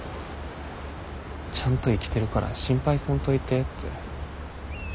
ちゃんと生きてるから心配せんといてて。